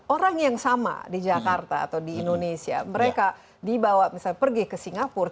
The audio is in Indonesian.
orang yang sama di jakarta atau di indonesia mereka dibawa misalnya pergi ke singapura